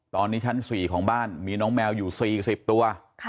ตอนนี้ชั้น๔ของบ้านมีน้องแมวอยู่๔๐ตัว